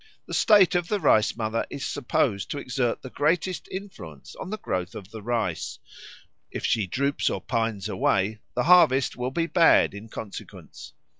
The state of the Rice mother is supposed to exert the greatest influence on the growth of the rice; if she droops or pines away, the harvest will be bad in consequence.